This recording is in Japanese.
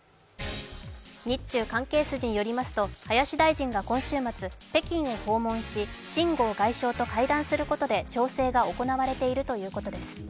日中関係筋によりますと林大臣が今週末、北京を訪問し、秦剛外相と会談することで調整が行われているということです。